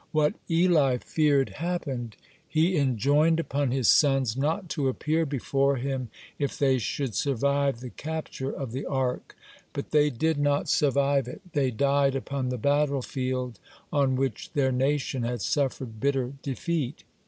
What Eli feared happened. He enjoined upon his sons not to appear before him if they should survive the capture of the Ark. (32) But they did not survive it; they died upon the battlefield on which their nation had suffered bitter defeat.